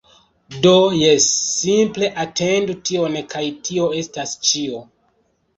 Do, jes... simple atendu tion kaj tio estas ĉio